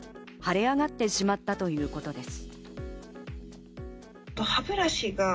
腫れ上がってしまったということです。